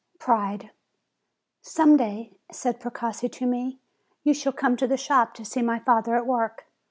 PRIDE 123 "Some day," said Precossi to me, "you shall come to the shop to see my father at work.